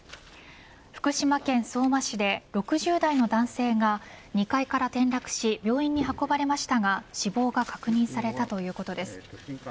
福島県相馬市で６０代の男性が２階から転落し病院に運ばれましたが死亡が確認されたということです。